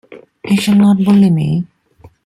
He shall not bully me.